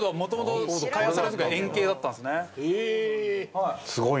はい。